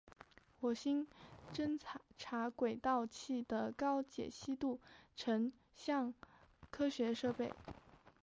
火星侦察轨道器的高解析度成像科学设备。